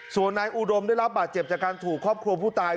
ส่วนนายอุดมได้รับบาดเจ็บจากการถูกครอบครัวผู้ตาย